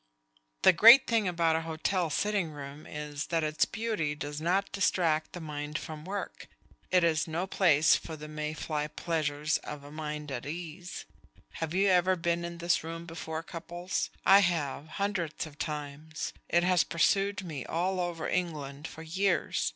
"The great thing about a hotel sitting room is that its beauty does not distract the mind from work. It is no place for the May fly pleasures of a mind at ease. Have you ever been in this room before, Cupples? I have, hundreds of times. It has pursued me all over England for years.